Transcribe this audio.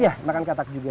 ya makan katak juga